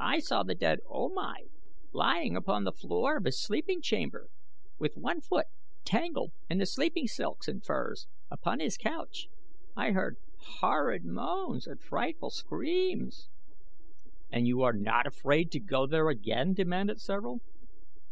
"I saw the dead O Mai lying upon the floor of his sleeping chamber with one foot tangled in the sleeping silks and furs upon his couch. I heard horrid moans and frightful screams." "And you are not afraid to go there again?" demanded several.